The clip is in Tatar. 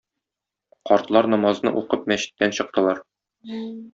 Картлар намазны укып мәчеттән чыктылар